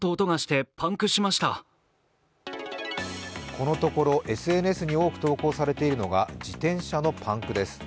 このところＳＮＳに多く投稿されているのが自転車のパンクです。